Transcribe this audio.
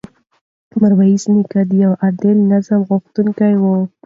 میرویس نیکه د یو عادل نظام غوښتونکی و.